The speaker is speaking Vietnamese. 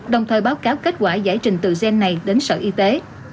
đồng thời báo cáo kết quả giải trình từ gen này đến sở y tế